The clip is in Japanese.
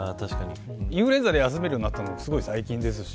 インフルエンザで休めるようになったのもすごい最近だし。